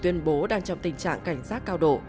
tuyên bố đang trong tình trạng cảnh giác cao độ